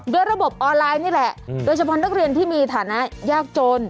โดยระบบออนไลน์นี่แหละโดยเฉพาะนักเรียนที่มีฐานะยากจน